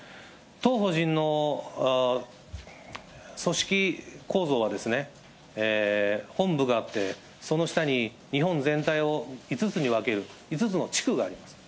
当法人の組織構造は、本部があって、その下に日本全体を５つに分ける５つの地区があります。